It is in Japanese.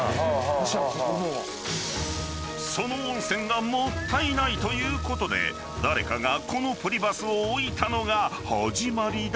［その温泉がもったいないということで誰かがこのポリバスを置いたのが始まりだそう］